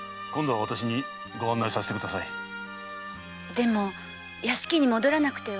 でも屋敷に戻らなくては。